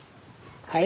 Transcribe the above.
はい？